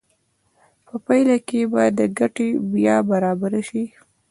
په پایله کې به د ګټې بیه برابره شي